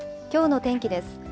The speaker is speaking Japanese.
きょうの天気です。